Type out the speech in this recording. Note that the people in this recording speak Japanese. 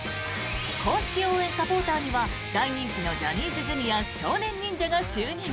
公式応援サポーターには大人気のジャニーズＪｒ．少年忍者が就任。